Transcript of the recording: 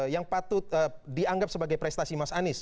yang patut dianggap sebagai prestasi mas anies